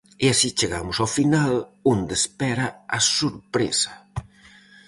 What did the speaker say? E así chegamos ao final, onde espera a sorpresa.